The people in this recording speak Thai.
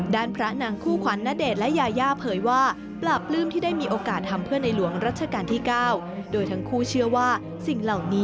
ด้านพระหนังคู่ขวานณเดชน์และยาย่าเผยว่า